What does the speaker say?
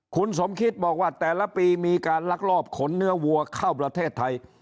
คุณสมคิตบอกว่าแต่ละปีมีการลักลอบขนเนื้อวัวเข้าประเทศไทย